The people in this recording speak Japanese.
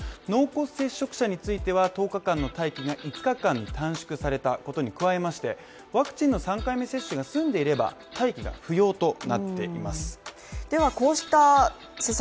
濃厚接触者については１０日間の待機が５日間に短縮されたことに加えまして、ワクチンの３回目接種が済んでいれば、待機が不要となっています。